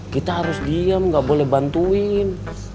kita harus diem nggak boleh bantuin